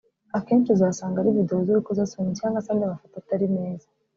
Akenshi uzasanga ari videwo z’urukozasoni cyangwa se andi mafoto atari meza